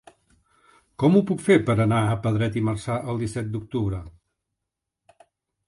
Com ho puc fer per anar a Pedret i Marzà el disset d'octubre?